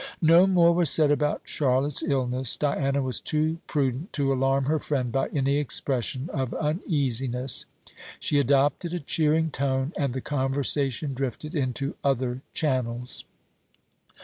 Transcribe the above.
No more was said about Charlotte's illness; Diana was too prudent to alarm her friend by any expression of uneasiness. She adopted a cheering tone, and the conversation drifted into other channels.